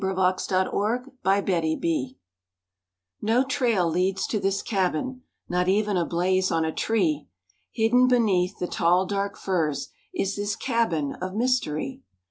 *THE CABIN OF MYSTERY* No trail leads to this cabin, Not even a blaze on a tree, Hidden beneath the tall dark firs Is this cabin of mystery.